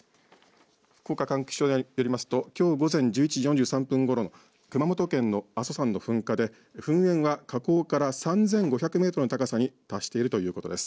福岡管区気象台によりますときょう午前１１時４３分ごろ、熊本県の阿蘇山の噴火で噴煙は火口から３５００メートルの高さに達しているということです。